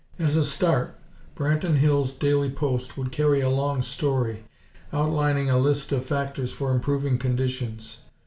As a start, Branton Hills' "Daily Post" would carry a long story, outlining a list of factors for improving conditions.